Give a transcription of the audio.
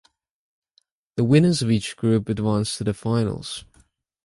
The winners of each group advanced to the finals.